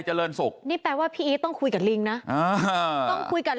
เจริญศุกร์นี่แปลว่าพี่อีทต้องคุยกับลิงนะอ่าต้องคุยกับ